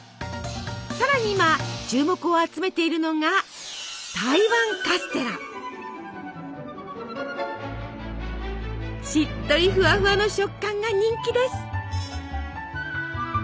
更に今注目を集めているのがしっとりフワフワの食感が人気です。